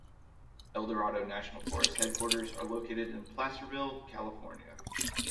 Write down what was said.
Eldorado National Forest headquarters are located in Placerville, California.